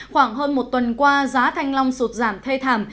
khoảng hơn một tuần qua giá thanh long sụt giảm thê thảm